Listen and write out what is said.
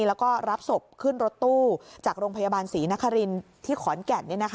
แล้วก็รับศพขึ้นรถตู้จากโรงพยาบาลศรีนครินที่ขอนแก่น